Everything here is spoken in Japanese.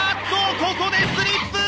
ここでスリップ！